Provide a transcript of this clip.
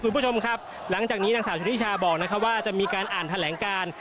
คุณผู้ชมครับหลังจากนี้นางสาวชนิชาบอกนะครับว่าจะมีการอ่านแถลงการ